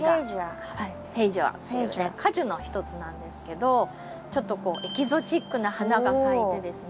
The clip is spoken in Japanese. フェイジョア果樹のひとつなんですけどちょっとこうエキゾチックな花が咲いてですね